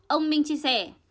ông minh chia sẻ